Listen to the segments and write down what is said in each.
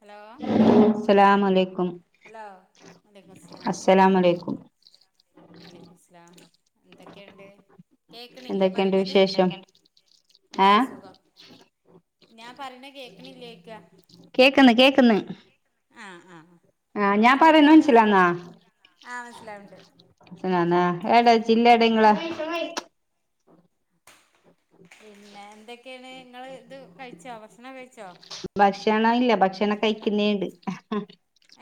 Hello അസലാംലയ്ക്കും hello വലൈക്കും അസ്സലാമലയ്ക്കും വലേയ്ക്കുമുസ്സലാം എന്തൊക്കെയുണ്ട് കേക്കണില്ലേ എന്തൊക്കെയുണ്ട് പറയണത് വിശേഷം ഒക്കെ ഏഹ് സുഖം ഞാൻ പറയണ കേക്കണില്ലേക്ക കേക്ക്ന്ന് കേക്ക്ന്ന് കേക്കിണ്ട് ആഹ് ആഹ് ആഹ് ഞാൻ പറയുന്ന എന്തൊക്കെയുണ്ട് സു [unintelligible] മനസ്സിലാന്നാ മനസിലാവിണ്ടോ ആഹ് മനസ്സിലാവുണ്ട് നാനാ ഏടെ ആഹ് ആഹ് ജില്ലേടങ്ങളെ പിന്നെ എന്തൊക്കെയാണ് ഇങ്ങള് ഇത് കഴിച്ചോ ഭക്ഷണം കഴിച്ചോ ഭക്ഷണ ഇല്ല ഭക്ഷണം കഴിക്ക്ന്നേണ്ട്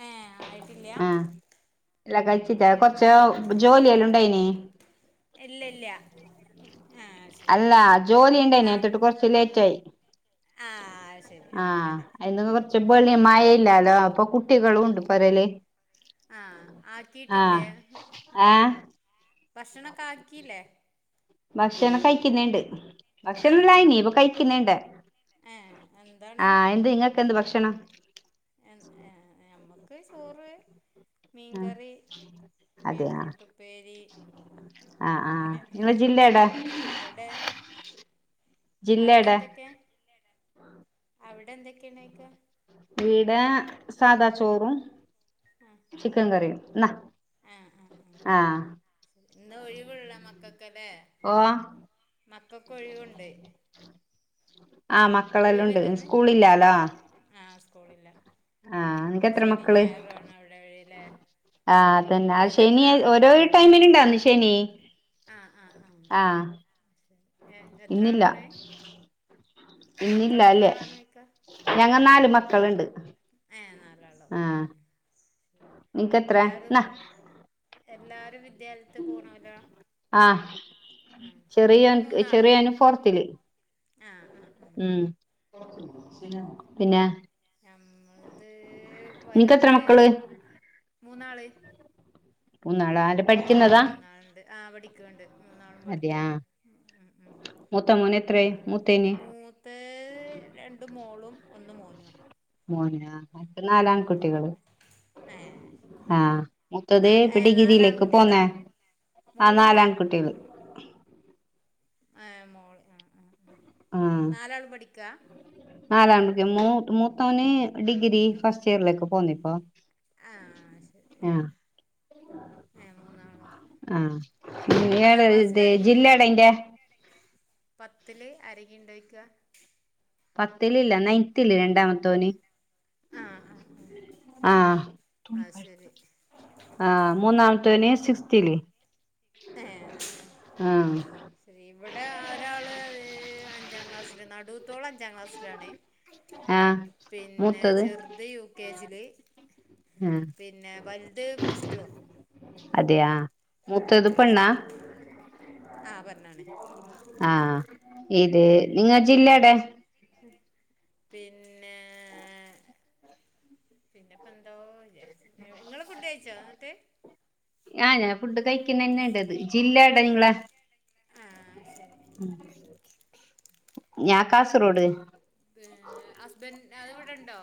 ഏഹ് ആയിട്ടില്ല ആഹ് ഇല്ലാ കഴിച്ചിട്ട കൊറച്ച് എന്തൊക്കെ ജോലിയെല്ലാം ഉണ്ടായിനി ഇല്ല ഇല്ല ആഹ് ശരി അല്ല ജോലി ഉണ്ടായി ആഹ് നേട്ടട്ട് കുറച്ച് ലേറ്റ് ആയി ആഹ് ശരി ആഹ് അങ്ങനെ അകുറച്ച് വെളിയ മഴയില്ലാലോ അപ്പൊ കു കുട്ടികളും ഉണ്ട് പൊരയലേ ആഹ് ആക്കീട്ടില്ലേ ഏഹ് ഭക്ഷണൊക്കെ ആക്കീല്ലേ ഭക്ഷണം കയിക്കുന്ന്ണ്ട്. ഭക്ഷണം ആഹ് ആഹ് ഇല്ലായ്നീ ഇപ്പൊ കഴിക്കുന്ന്ണ്ട് ഏഹ് എന്താണ് ആഹ് എന്ത് നിങ്ങക്കെന്ത് ഭക്ഷണം എഹ് ഏഹ് ഞമ്മക്ക് ചോറ് ആഹ് മീൻകറി, അതെ ആഹ് ബീറ്റ്റൂട്ടുപ്പേരി ആഹ് ആഹ് അങ്ങനെ നിങ്ങളെ ജില്ല എടാ അവിടെ ജില്ല എടാ അവിടെന്തൊക്കെയ അവിടെന്തൊക്കെയാണ്ക്ക ഈടെ സാദാ ചോറും ആഹ് ചിക്കൻ കറിയും ഇന്നാ ആഹ് ആഹ് ആഹ് ഇന്ന് ഒഴിവുള്ള മക്കക്കല്ലേ ഓഹ് മക്കക്കൊഴിവുണ്ട്. ആഹ് മക്കളെല്ലാം ഉണ്ട് ഒഴിവല്ലെന്ന് സ്കൂളില്ലാലോ ഉം ആഹ് സ്കൂളില്ല ആഹ് നിനക്ക് എത്ര ശനീം മക്കള് ഞായറുവാണോ അവിട ആഹ് അതന്നെ ആഹ് ശനി ഓരോ ടൈമിൽണ്ടാവുന്ന് ശനി ആഹ് ആഹ് ആഹ് ആഹ് ഇന്നില്ല എത്രാളാണ് മക്കൾ ഇന്നില്ല എത്ര അല്ലേ ആളാണ് ഇക്ക ഞങ്ങ നാല് മക്കളുണ്ട് [unintelligible] ആഹ് നാലാളോ ആഹ് ഉം നിനക്ക് എത്ര എല്ലാരും ന്നാ എല്ലാരും വിദ്യാലയത്ത് പോണോല്ലോ? ആഹ് [unintelligible] നമ്മക്ക് ചെറിയോൻ മൂന്നാള് ചെറിയോന് ഫോർത്തില് ആഹ് ആഹ് ആഹ്. ഉം [unintelligible] പിന്നെ ഞമ്മളത് നിനക്ക് എത്ര വലുത് മക്കള് മൂന്നാള്. മൂന്നാളാ ആഹ് പഠിക്കുന്നതാ മൂന്നാളുണ്ട് ആഹ് പടിക്കോണ്ട് മൂന്നാളും അതെയാ പഠിക്ക്വാണ് ഉം ഉം മൂത്ത മോന് എത്രയായി മൂത്തേന് ഉം തെ രണ്ട് മോളും ഒന്ന് മോനു ആ മോൻ ആഹ് നാലാൺ കുട്ടികൾ ആ ഏ ആഹ് മൂത്തത് നാല് ഇപ്പോ ഏ ഡിഗ്രിയിലേക്ക് നാലാൺകുട്ടികളാ പോന്നേ ആഹ് മോളില്ല നാലാൺകുട്ടികൾ ആഹ് മോള് ആഹ് ആഹ് ആഹ് മൂന്നാലാൾ പഠിക്കാ നാലാണ് മൂ മൂത്തവന് ഡിഗ്രി ഫസ്റ്റ് ഇയറിലേക്ക് പോന്ന ഇപ്പോ ആഹ് ശരി ആഹ് ഏഹ് മൂന്നാള് ആഹ് ഇയാള് പത്താം ഇത് ക്ലാസ്സിലാരെങ്കിണ്ടോ ജില്ലേടാ അയിന്റെ പത്തില് ആരെങ്കി ഉണ്ടോയ്ക്ക പത്തില് ഇല്ല നയൻത്തിൽ രണ്ടാമത്തോന് ആ ആ ആ ആഹ് അത് ശരി ആഹ് മൂന്നാ ഏ ആ ആ [unintelligible] ആഹ് ശരി ഇവിടെ ഒരാള് അഞ്ചാം ക്ലാസ്സില് നടൂത്തോള് അഞ്ചാം ക്ലാസ്സിലാണ് ആഹ് പിന്നെ മൂത്തത് ചെർത് യു കെ ജില് ആഹ് പിന്നെ വലുത് പ്ലസ് ടു അതെയാ മൂത്തത് പെണ്ണാ മം ഉം [inaudible] പറഞ്ഞാണേ ആഹ് ഇത് നിങ്ങ ജില്ല ടെ പിന്നേ പിന്നെപ്പെന്തോ വിചാരിച്ചിനി എ ങ്ങള് ഫുഡ് കയ്ച്ചോ ന്നട്ട് ആഹ് ഞാൻ ഫുഡ് കൈക്കുന്ന തന്നെയാ ഇണ്ടത് ജില്ല എവിടാ നിങ്ങടെ ആഹ് ശരി ഉം ഞാൻ കാസർഗോഡ് പി ഹസ്ബൻഡ് ആ ഇവിടൊണ്ടോ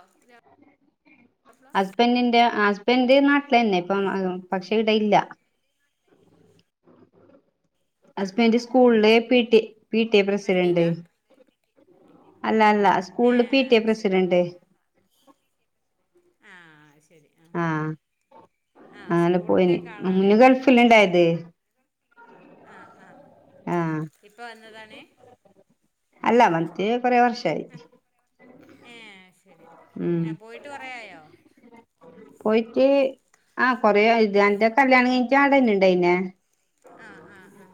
ഹസ്ബൻഡിന്റെ ഹസ്ബന്റ് നാട്ടിൽ തന്നെയാ ഇപ്പം പക്ഷെ ഇവിടെ ഇല്ല ആ ആ ഹസ്ബൻഡ് സ്കൂളില് P T P T A president വണ്ടിയിലാ അല്ല അല്ല ഏ സ്കൂളില് പി ടി എ ശരി ആ പ്രസിഡന്റ് ആ അത് ശരി ശരി ആ ആഹ് ആ സ്കൂള്ടെക്കെ ആളാണേ? ക്കൊല്ലണ്ടായത് ആ ആ ആഹ് ഇപ്പൊ വന്നതാണെ? അല്ല വന്നിട്ട് കുറെ വർഷായി ഏ ശരി ഉം ആ പോയിട്ട് കൊറെയായോ? പോയിട്ട് ആ കൊറെയായി ഇത് ൻ്റെ കല്യാണം കഴിഞ്ഞിട്ടവടെന്നെണ്ടായിന്നെ ആ ആ ആ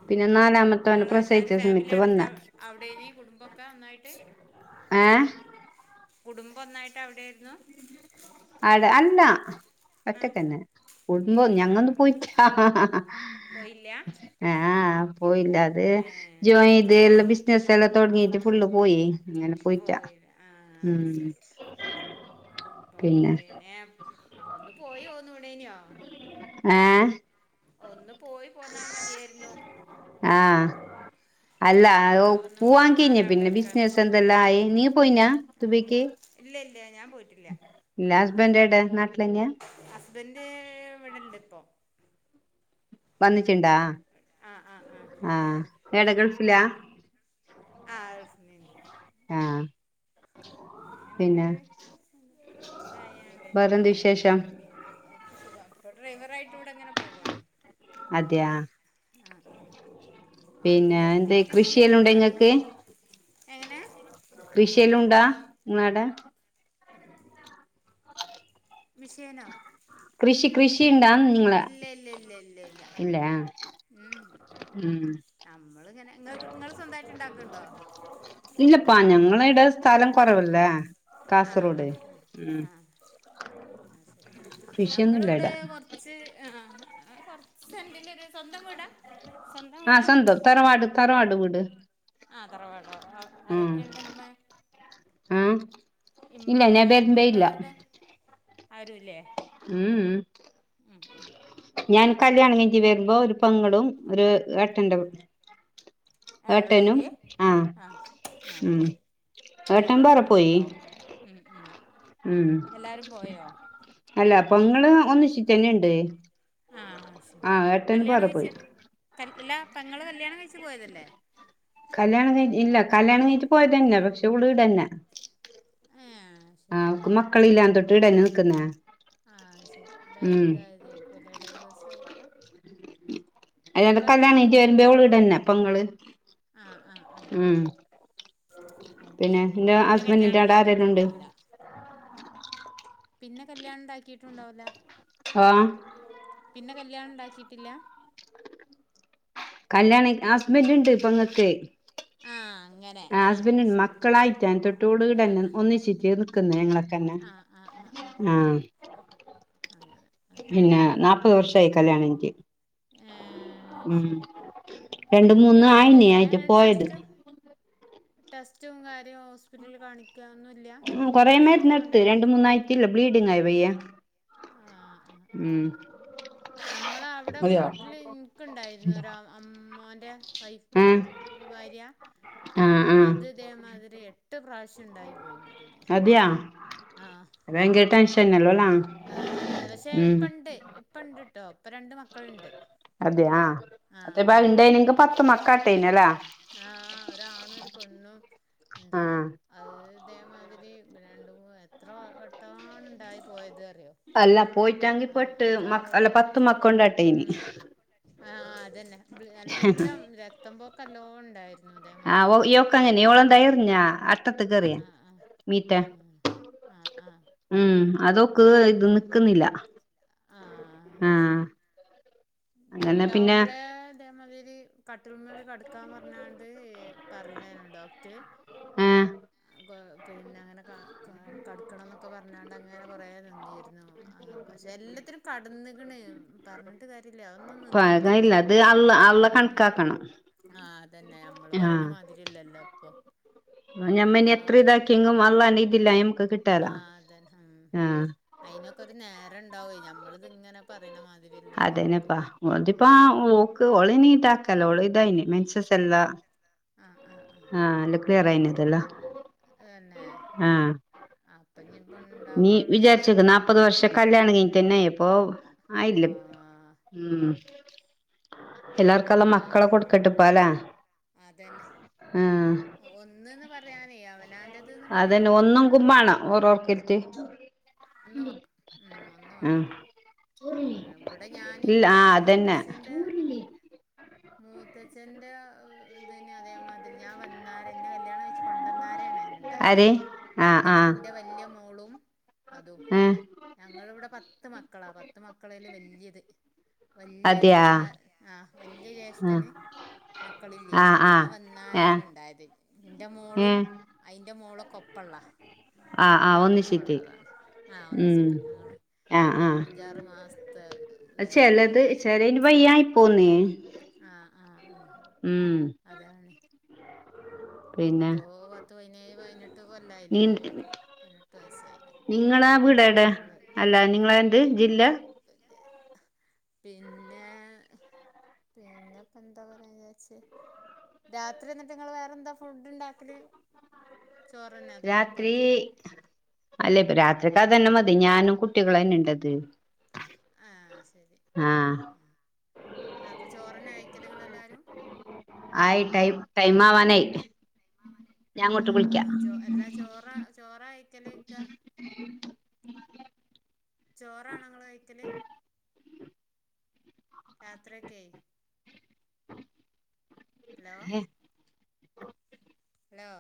ങ്ങള് എല്ലാരും പ്രസവിച്ച ഫാമിലി സമയത്ത് വന്ന അടക്കം അവിടെേനി കുടുംബക്കെ ഒന്നായിട്ട്? ഏ? കുടുംബ ഒന്നായിട്ട് അവിടൊയിരുന്നു? ആടെ അല്ല! ആ ഒറ്റക്കന്നെ! കുടുബോ ഞങ്ങൊന്നും പോയിട്ട്ല്ല ഹ ഹ പോയില്ലാ? ആ പോയില്ല അത് ജോയിൻ ചെയ്ത് അവൻ എല്ലാം വരുന്ന് ബിസിനസ്സല്ലാം തുടങ്ങിട്ട് ഫുള്ള് പോയി അങ്ങനെ പോയിറ്റാ പോയിരാ ആ ഉം ശരി അപ്പം പിന്നെ അ ഒന്ന് പോയോന്നൂടേന്യോ. ഏഹ്. ഒന്ന് പോയി പോന്നാ മതിയാര്ന്നു. ആഹ്. അല്ല അഉ മക്കളെ ഒന്ന് കാണാലോ പൂവാകെയ്ഞ്ഞ് പിന്നെ അവിടെയൊക്കെ ബിസ്നസെന്തെല്ല ആയി നീ പോയിനാ ദുബയ്ക്ക്? ഇല്ലല്ല ഞാപോയിട്ടില്ല. ഇല്ല ഹസ്ബൻ്റെടെ നാട്ടിലന്യാ? ഹസ്ബൻ്റ് ഇവടണ്ട് പ്പൊ. ബന്നിട്ടുണ്ടാ ആഹ് ആഹ് ആഹ് എടെ ഗൾഫിലാ? ആഹ് ഗൾഫ് ലേനി. ആഹ്. പിന്നെ അങ്ങനെണ്ട് തായോണ്ടെയ്. വേറെന്ത് വിശേഷം അ അപ്പ ഡ്രൈവറായിട്ട് വടെങ്ങനെ പോവാണ്. അതെയാ? ആഹ് ആഹ് പിന്നെ എന്ത് നിർത്തിട്ടില്ല്യ കൃഷിയെല്ലാം ഉണ്ടോ ന്നാലും. ഇങ്ങക്ക് എങ്ങനെ? കൃഷിയെല്ലുണ്ടാ ങ്ങ്ളാടെ? മിഷേനോ? കൃഷി കൃഷി ണ്ട നിങ്ങളെ ഇല്ല ഇല്ല ഇല്ല ഇല്ല ഇല്ല ഇല്ലാ. ഉം നമ്മള്ങ്ങനെ ങ്ങക്ക് ങ്ങള് സ്വന്തായ്ട്ട് ണ്ടാക്ക്ണ്ടോ. ഇല്ലപ്പാ ഞങ്ങളേടെ സ്ഥലം കൊറവല്ലേ. ഉം ആഹ് ആഹ് ആഹ് ആഹ് അശരി കൃഷിയൊന്നുംല്ല നമ്മളിവ്ടെ ഇടാ കൊർ ച്ച് അ ആഹ് അ കൊർച്ചണ്ടില്ലരു സ്വന്തം വീടാ? സ്വന്തം ആ വീടാ സ്വന്തം തറവാട് തറവാടു വീട് ആ തറവാടോ ആരൊക്കെ ണ്ട്മ്മേ? ആഹ് ഇമ്മെ ആരൊക്കെ ഇള്ളത് അവിടെ? ആരുല്ലേ? ഉം ഉം ഞാൻ കല്യാണം കഴിഞ്ഞിട്ട് വരുമ്പോ ഒരു പെങ്ങളും ഒരു ഏട്ടന്റെ കുട്ടിം ഏഹ് ഉള്ളേരി ആ ആഹ് ആഹ് ഉം ശരി ഏട്ടൻ ഓലൊക്കെ വേറെ പോയി പോയിട്ടുണ്ടാവും ഉം ഉം ഉം എല്ലാരും പോയോ? അല്ല പെങ്ങള് ഒന്നിച്ചിട്ടെന്നെണ്ട് ആ ശരി കല്ല്യാണം പോയി കഴിച്ച് അല്ലാ പെങ്ങള് കല്ല്യാണം കഴിച്ച് പോയതല്ലേ? കല്യാണം കഴി ഇല്ല കല്യാണം കഴിഞ്ഞിട്ട് പോയതെന്നെ പക്ഷെ ഓളീവ്ടെന്നെ ഏഹ് ആ ശരി ഓക്ക് ഡൈ മക്കളില്ലാ അന്തൊട്ട് ഇടെന്നെ നിക്ക്ന്നേ ആഹ് ശരി ഡ ഇതായതേക്കുലേ ഡൈവേഴ്സായതാ അയ്നെൻ്റെ കല്യാണേറ്റ് വരുമ്പേ ഓളീടെന്നെ പെങ്ങള് ആഹ് ആഹ് ആഹ് ആഹ് ഉം ആഹ് പിന്നെ ശരി എന്റെ പിന്നെ കല്യാണം ഹസ്ബൻഡിന്റെ ആടെ ഉണ്ടാക്കിട്ടും ആരെല്ലാം ഉണ്ട് ഇണ്ടാവൂല പിന്നെ കല്യാണം ഇണ്ടാക്കിയിട്ടുണ്ടാവൂല ആഹ് പിന്നെ കല്യാണം ഇണ്ടാക്കിട്ടില്ല കല്യാണേ ഹസ്ബൻ്റ് ഇണ്ട് പെങ്ങക്ക് ആഹ് അങ്ങനെ ആ ആഹ് ഹസ്ബൻ്റ്ണ്ട് മക്കളായിട്ടാണ് തൊട്ടോടുകൂടെ ആഹ് തന്നെ ആഹ് ഒന്നിച്ചിട്ട് നിക്ക്ന്നെ ഞങ്ങള് തന്നെ ആഹ് അങ്ങനെ അത് പിന്നെ ശരി നാപ്പത് വർഷായി കല്യാണം കഴിഞ്ഞിട്ട് ഏഹ് ഉം ശരി രണ്ട് മൂന്ന് ആയിനെ കുട്ടികളില്ലല്ലേ ആയിട്ട് പോയത് ടെസ്റ്റും ടെസ്റ്റും കാര്യും ഹോസ്പിറ്റൽല് കാണി ക്കാ അഒന്നുല്ല കൊറേ ആശുപത്രി മരുന്നെടുത്ത് കൊണ്ടോയോക്കി രണ്ട് മൂന്നാഴ്ചയില്ല ബ്ലീഡിങ് ആയി പയ്യെ ആഹ് ഉം ഞമ്മള അവിടെ വീട്ടില് ഇൻക്ക്ണ്ടായിരുന്നു രാ അമ്മോന്റെ വൈഫ് ആ ഭാര്യ ആ ആ അത് ഇതേ മാതിരി എട്ട് പ്രാവശ്യം ഉണ്ടായി പോയിണതിന് ദ്യാ ആഹ് ആഹ് പക്ഷെ ഉം ഇപ്പണ്ട് ഇപ്പ ഇണ്ട്ട്ടോ ഇപ്പ രണ്ട് മക്കള്ണ്ട് അതെ യാ അതേ [unintelligible] മക്കള് പത്ത് മക്കാട്ടേനല്ലാ ആഹ് ഒരാണും ഒരു പെണ്ണും ഇണ്ട് ആ ഇപ്പോ ആഹ് ഇതേമാതിരി ര എത്ര വട്ടാണ് ഉണ്ടായി പോയത് അറിയോ അല്ല പോയിട്ടാങ്കി അ എട്ട് മ അഞ്ചാറ് അല്ല വട്ടം പത്ത് മക്കണ്ടാട്ടെനി ഉം ആഹ് അതന്നെ എല്ലാം രക്തംപൊക്ക നല്ലാം ഉണ്ടാ ആഹ് ഓ ഓക്ക അങ്ങനെ ഇളെന്തായിറിഞ്ഞാ അട്ടത്ത് കേറിയും ആഹ് ആഹ് മിറ്റാ ആഹ് ആഹ് ആഹ് ഉം അതോക്ക് ഇത് നിക്ക്ന്നില്ല ആഹ് ശരി അങ്ങനെ പിന്നെ ഇത്ണ്ടാവുമ്പോളെ അതേമാതിരി കട്ട്മല് കടക്കാന്ന് പറഞാണ്ട് പറയ്ണാണ് ഡോക്റ്റ് ഏ പിന്നെ അങ്ങനെ ക ക കടുക്കണംന്നൊക്കെ പറഞ്ഞാണ്ട്ങ്ങനെ കുറേ നിന്നിരുന്നു അ പക്ഷെ എല്ലാത്തിനും കടന്ന്ക്ണ് പറ ഞ്ഞിട്ട് കാര്യല്ല ഒന്നും നിന്നിട്ടില്ല ഇല്ല അത് അള്ള അള്ള കണക്കാക്കണം ആഹ് അതന്നെ നമ്മള് പറയണ മാതിരില്ലല്ലോ ഇപ്പൊ ഞമ്മന് ഒക്കെ എത്ര ഒരു ഇതാക്കിയെങ്ങും അള്ളാ [unintelligible] നമക്ക് കിട്ടേലാ ആഹ് അതന്നെ ഉം അയിനൊക്കെ ഒരു നേരം ഇണ്ടാവേ നമ്മളിത് ഇങ്ങനെ പറയുന്ന മാതി- അതേനപ്പാ ഉദിപ്പാ ഓക്ക് ഒളെ നീട്ട ആക്കല്ല ഒളതായിന് മൻസസ് എല്ലാ ആഹ് ആഹ് ആഹ് ആഹ് [unintelligible] തന്നെ ആഹ് അപ്പഞ്ഞ് നീ വിചാരിച്ചക്ക് നാല്പ്പത് വർഷം കല്യാണ കഴിഞ്ഞിട്ട് തന്നെ ഇപ്പൊ ആയില്ല ആഹ് ഉം എന്താ എല്ലാർക്കെല്ലാം മക്കളെ ചെയ്യന്നെ കൊടുക്കട്ടപ്പാലേ ആഹ് ഒന്ന് പറയാനേ അവനാന്റെ അതന്നെ ഒന്നും കുമ്പണ ഓരോർക്കത്തി ഒന്ന് ഉം ഒന്ന് വാണം ആഹ് ആഹ് ഇവിടെ ഞാൻ ഇല്ല ഇന്റെ ആഹ് അതന്നെ മൂത്തച്ചന്റെ മൂത്തച്ഛൻറെ ഇതിന് അതേ മാതിരി ഞാൻ വന്ന ഇനെ കല്യാണം കഴിച്ച് കൊണ്ടന്നാരെണ് ഇണ്ടായത് ആര് ആഹ് ഇന്റെ ആഹ് ഇന്റെ വല്യയ മോളും അതും ഏഹ് ഞങ്ങളിവിടെ പത്ത് മക്കളാ പത്ത് മക്കളെൽ വല്യത് വല്യ അതെയാ കാ ആഹ് വല്യയ ആഹ് ജ്യേഷ്ഠന് മക്കളില്ലേനി ആഹ് ഞാൻ ആഹ് ആഹ് വന്നാരെണ് ഉണ്ടായത് ഇന്റെ മോളും ഏഹ് അയിന്റെ മോള്കൊപ്പള്ള ആഹ് ആഹ് രണ്ടാളും ഒപ്പം ഒന്നിച്ചിട്ടേക്ക് ഉള്ളതാ ആഹ് ഉം ഒന്നിച്ചിട്ട് ഞങ്ങള് അഞ്ചാ ചിലത് ചിലന് വയ്യയി പോന്നേ ആഹ് ആഹ് ആഹ് ഉം അതാണ് പിന്നെ ഇപ്പോ പത്ത് പതിനേഴ് പയിനെട്ട് നീ കൊല്ലായില്ലേ പതിനെട്ട് വയസ്സായി നിങ്ങളാ വീടടാ കുട്ടികള് പിന്നെ അല്ല നിങ്ങള എന്ത് ജില്ല [unintelligible] പിന്നെ പിന്നെപ്പ എന്താ പറയാ വിചാരിച്ച രാത്രിന്നിട്ട്ങ്ങൾ വേറെന്താ ഫുഡ് ഉണ്ടാക്കല് ചോറ്ന്നെ അതോ ചപ്പാത്തിയോ? അല്ലെ ഇപ്പ രാത്രിക്ക് അതന്നെ മതി ഞാനും കുട്ടികളന്നെ ഇണ്ടത്. ആ ശരി ആ ആഹ് ആ അപ്പം ചോറിന് കഴിക്കല്ല് നിങ്ങളെല്ലാരും? ആയി ടൈ ടൈമാ വാനായി. ആഹ് ആഹ് ചൊ ല്ലാ ചോറ ചോറ കഴിക്കലോയ്ക്ക ചോറാണ ങ്ങള് കഴിക്കല് രാത്രിയൊക്കേയ് ഹലോ ഏ ഹലോ